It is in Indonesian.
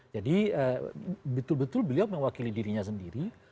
jadi betul betul beliau mewakili dirinya sendiri